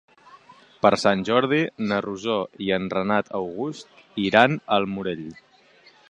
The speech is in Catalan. Per Sant Jordi na Rosó i en Renat August iran al Morell.